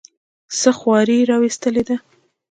څه خواري یې راوستلې ده.